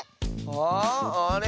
ああれ？